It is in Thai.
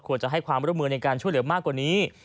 จะให้ความร่วมมือในการช่วยเหลือมากกว่านี้